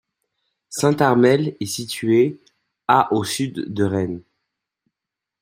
Saint-Armel est située à au sud de Rennes.